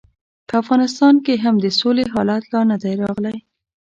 په افغانستان کې هم د سولې حالت لا نه دی راغلی.